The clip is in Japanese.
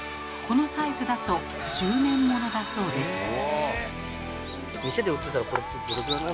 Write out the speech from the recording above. このサイズだと１０年物だそうです。